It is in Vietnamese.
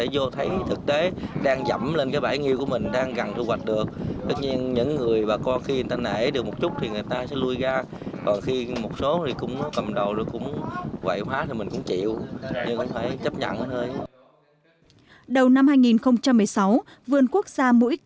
đầu năm hai nghìn một mươi sáu vườn quốc gia mũi cà mau mở rộng phương án nuôi